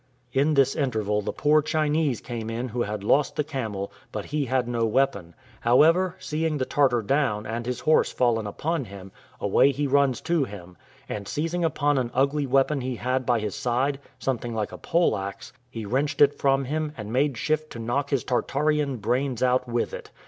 In this interval the poor Chinese came in who had lost the camel, but he had no weapon; however, seeing the Tartar down, and his horse fallen upon him, away he runs to him, and seizing upon an ugly weapon he had by his side, something like a pole axe, he wrenched it from him, and made shift to knock his Tartarian brains out with it.